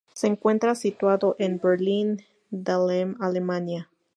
Se encuentra situado en Berlín-Dahlem, Alemania.